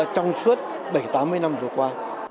trong suốt bảy mươi tám mươi năm vừa qua